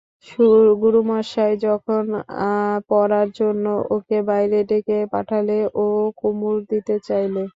গুরুমশাই যখন পড়ার জন্যে ওকে বাইরে ডেকে পাঠালে, ও কুমুর দিকে চাইলে।